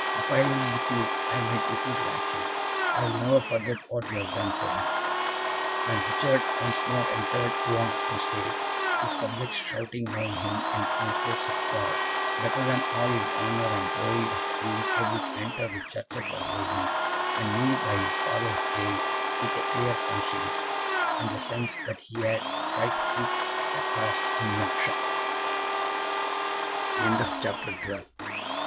If I lived with you, I might be good like you. I will never forget what you have done for me." When Richard once more entered Rouen in state, his subjects shouting round him in transports of joy, better than all his honour and glory was the being able to enter the Church of our Lady, and kneel by his father's grave, with a clear conscience, and the sense that he had tried to keep that last inju